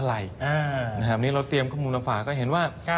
อันนี้เราเตรียมข้อมูลมาฝากก็เห็นว่า